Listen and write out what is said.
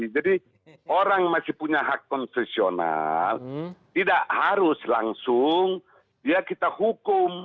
jadi orang masih punya hak konstitusional tidak harus langsung dia kita hukum